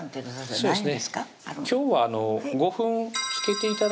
そうですね